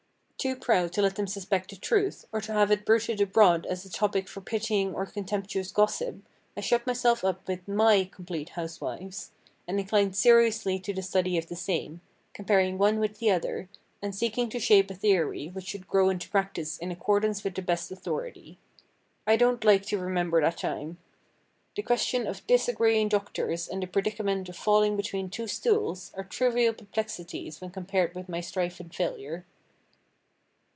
Too proud to let them suspect the truth, or to have it bruited abroad as a topic for pitying or contemptuous gossip, I shut myself up with my "Complete Housewives," and inclined seriously to the study of the same, comparing one with the other, and seeking to shape a theory which should grow into practice in accordance with the best authority. I don't like to remember that time! The question of disagreeing doctors, and the predicament of falling between two stools, are trivial perplexities when compared with my strife and failure.